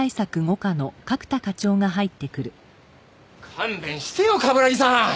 勘弁してよ冠城さん！